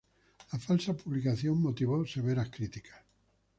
La falsa publicación motivó severas críticas.